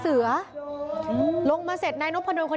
อุทธิวัฒน์อิสธิวัฒน์